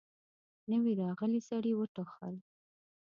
نوي راغلي سړي وټوخل.